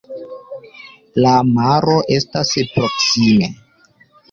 La maro estas proksime.